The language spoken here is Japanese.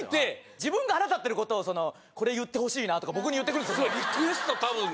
自分が腹立ってることを言ってほしいなって言ってくるんですよ。